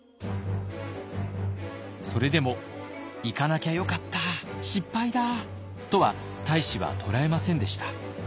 それでも「行かなきゃよかった失敗だ！」とは太子は捉えませんでした。